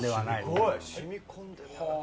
すごい！染み込んでる。